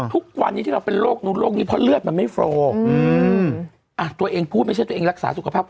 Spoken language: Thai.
ทุกวันนี้ที่เราเป็นโรคนู้นโรคนี้เพราะเลือดมันไม่โฟลตัวเองพูดไม่ใช่ตัวเองรักษาสุขภาพ